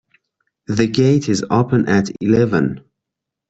The gate is open at eleven.